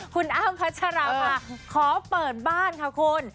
คุณอ้ำพัชราภาขอเปิดบ้านค่ะคุณ